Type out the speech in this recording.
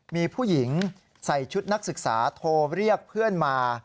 มีผู้หญิงใส่ชุดนักศึกษาโทรเรียกเพื่อนมา